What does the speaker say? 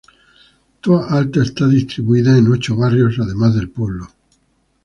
Toa Alta esta distribuido en ocho barrios, además del pueblo.